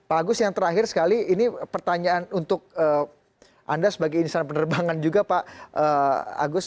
pak agus yang terakhir sekali ini pertanyaan untuk anda sebagai insan penerbangan juga pak agus